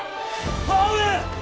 母上！